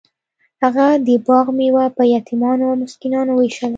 هغه د باغ میوه په یتیمانو او مسکینانو ویشله.